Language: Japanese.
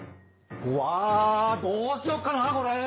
うわどうしよっかなこれ！